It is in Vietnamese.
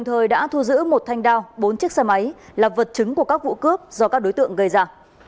thật chứng của các vụ cướp do các đối tượng gây ra